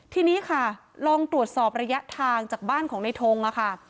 ทีนี้ค่ะลองตรวจสอบระยะทางจากบ้านของในทงค่ะ